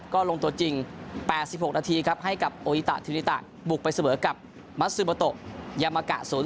ก็ลงตัวจริง๘๖นาทีครับให้กับโออิตาธิริตะบุกไปเสมอกับมัสซิโมโตยามากะ๐